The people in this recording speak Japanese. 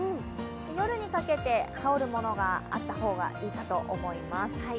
夜にかけて羽織るものがあった方がいいかと思います。